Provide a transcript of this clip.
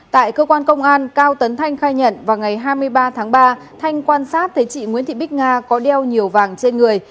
tại cơ quan công an cao tấn thanh khai nhận vào ngày hai mươi ba tháng ba thanh quan sát thấy chị nguyễn thị bích nga có đeo nhiều vàng trên người